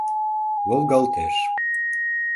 ...Волгалтеш.